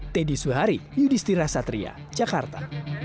teddy suhari yudhistira satria jakarta